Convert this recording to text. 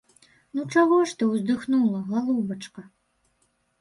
Ну, чаго ж ты ўздыхнула, галубачка?